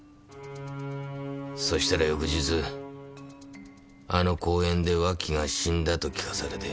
そしたら翌日あの公園で脇が死んだと聞かされて。